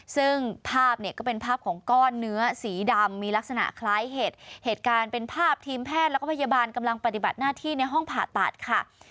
ซึ่งภาพเนี่ยก็เป็นภาพของก้อนเนื้อสีดำมีลักษณะคล้ายเห็ดเหตุการณ์เป็นภาพทีมแพทย์แล้วก็พยาบาลกำลังปฏิบัติหน้าที่ในห้องผ่าตัดค่ะ